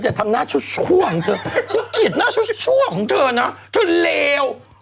ฉันกิดหน้าชั่วของเธอนะเธอเลว